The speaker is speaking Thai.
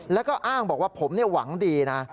แล้วก็อ้างบอกว่าผมหวังดีนะ